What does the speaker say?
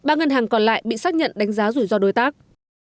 ba ngân hàng còn lại bị xác nhận đánh giá rủi ro đối tác